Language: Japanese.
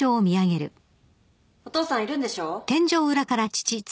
お父さんいるんでしょ？